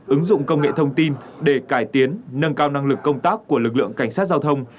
ứng dụng công nghệ thông tin để cải tiến nâng cao năng lực công tác của lực lượng cảnh sát giao thông